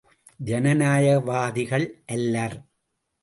ஜனநாயக வாதிகள் அல்லர்!